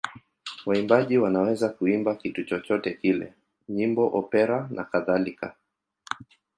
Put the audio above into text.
Waimbaji wanaweza kuimba kitu chochote kile: nyimbo, opera nakadhalika.